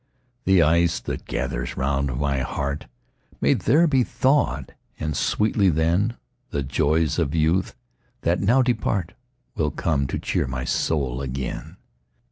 The ice that gathers round my heart May there be thawed; and sweetly, then, The joys of youth, that now depart, Will come to cheer my soul again.